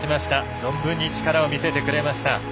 存分に力を見せてくれました。